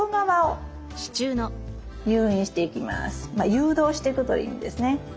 誘導していくという意味ですね。